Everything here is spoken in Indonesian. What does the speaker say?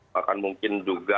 bahkan mungkin juga